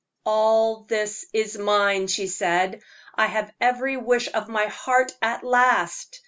"All this is mine!" she said. "I have every wish of my heart at last!